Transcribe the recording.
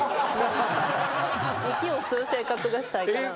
息を吸う生活がしたいから。